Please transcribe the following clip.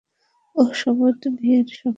অহ, শপথ বিয়ের শপথ।